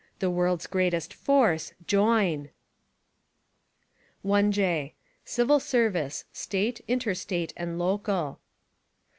The world's greatest force— JOIN ! IJ. Civil Service: State, Inter State and Local.